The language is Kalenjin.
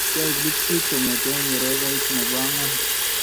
Kya ib liftit kongete korofait nebo angwan.